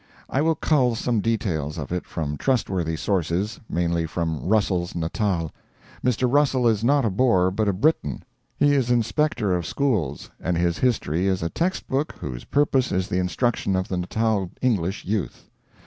I will cull some details of it from trustworthy sources mainly from "Russell's Natal." Mr. Russell is not a Boer, but a Briton. He is inspector of schools, and his history is a text book whose purpose is the instruction of the Natal English youth.